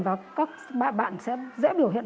và các bạn sẽ dễ biểu hiện